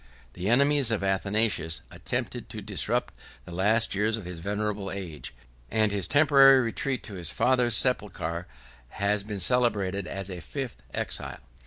The enemies of Athanasius attempted to disturb the last years of his venerable age; and his temporary retreat to his father's sepulchre has been celebrated as a fifth exile.